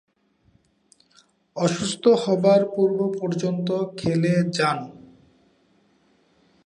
অসুস্থ হবার পূর্ব-পর্যন্ত খেলে যান।